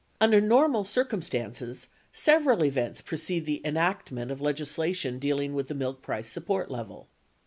Under normal circumstances, several events precede the enactment of legisla tion dealing with the milk price support level.